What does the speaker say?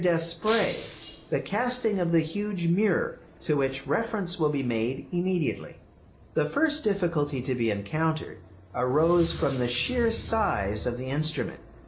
Despret the casting of the huge mirror, to which reference will be made immediately. The first difficulty to be encountered arose from the sheer size of the instrument.